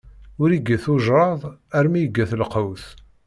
Ur igget ujṛad armi igget lqewt.